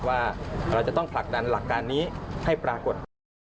ว่าเราจะต้องผลักดันหลักการนี้ให้ปรากฏ